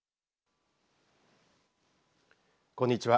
こんにちは。